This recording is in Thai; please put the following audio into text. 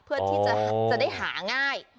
เพื่อที่จะได้หาง่าย